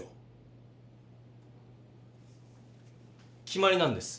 決まりなんです。